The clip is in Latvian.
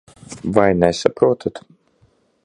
Vai nesaprotat?